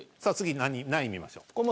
さあ次何位見ましょう？